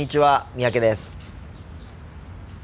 三宅です。